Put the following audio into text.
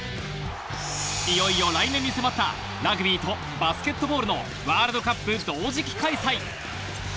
いよいよ来年に迫った、ラグビーとバスケットボールのワールドカップ同時期開催。